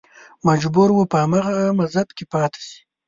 مجبور و په هماغه مذهب کې پاتې شي